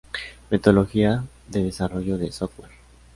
Metodología de desarrollo de software